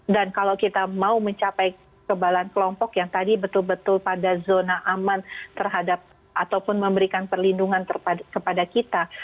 dan kalau kita mau mencapai kebalan kelompok yang tadi betul betul pada zona aman terhadap ataupun memberikan perlindungan kepada kita